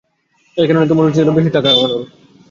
এই কারনেই তোর উচিত ছিলো বেশি টাকা কামানোর।